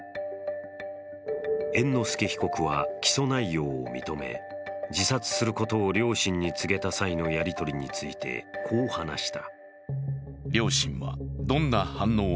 猿之助被告は起訴内容を認め自殺することを両親に告げた際のやり取りについて、こう話した。